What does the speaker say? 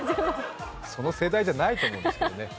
その世代じゃないと思うんですけど。